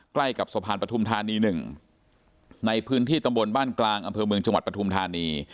ใกล้กับสะพานปฐุมธานี๑ในพื้นที่ตำบลบ้านกลางอำเภอเมืองจังหวัดปฐุมธานี